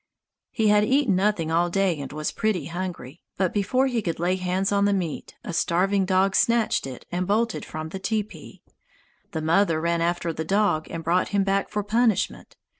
"He had eaten nothing all day and was pretty hungry, but before he could lay hands on the meat a starving dog snatched it and bolted from the teepee. The mother ran after the dog and brought him back for punishment.